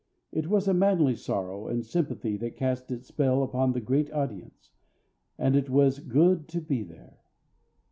It was a manly sorrow and sympathy that cast its spell upon the great audience, and it was good to be there.